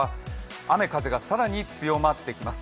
雨風が更に強まってきます。